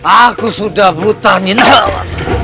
aku sudah buta nyi nawa